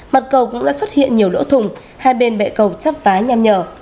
mặt cầu cũng đã xuất hiện nhiều lỗ thủng hai bên bệ cầu chắp vá nham nhở